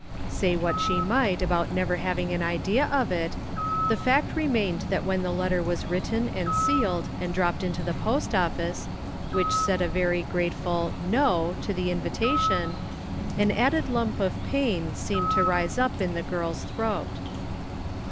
Say what she might about never having an idea of it, the fact remained that when the letter was written and sealed and dropped into the post office, which said a very grateful "No" to the invitation, an added lump of pain seemed to rise up in the girl's throat.